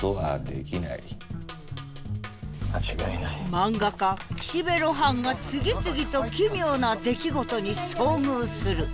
漫画家岸辺露伴が次々と「奇妙」な出来事に遭遇する。